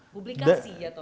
publikasi ya toh